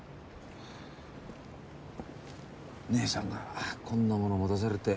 えっ⁉姐さんがこんなもの持たされて。